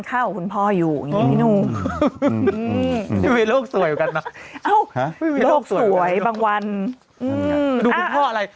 ข้าวของคุณพ่ออยู่ไม่มีโลกสวยกันนะโลกสวยบางวันอืมดูคุณพ่ออะไร